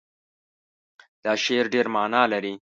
دا شعر ډېر معنا لري.